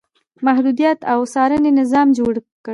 محدودیت او څارنې نظام جوړ کړي.